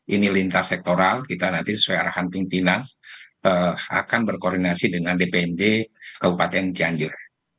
ini lintas sektoral kita nanti sesuai arahan pimpinan akan berkoordinasi dengan dpmd kabupaten cianjur